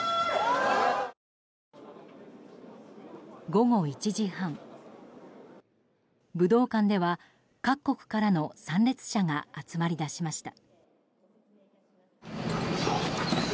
午後１時半、武道館では各国からの参列者が集まりだしました。